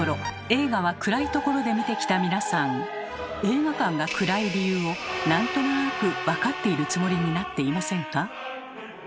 映画は暗い所で見てきた皆さん映画館が暗い理由を何となく分かっているつもりになっていませんか？